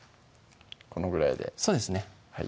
このぐらいでそうですね